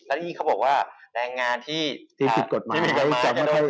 และเขาบอกว่าแรงงานที่ถูกคิดมาจะโดยพลีนออก